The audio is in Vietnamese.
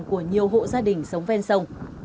của nhiều hộ gia đình sống bên sông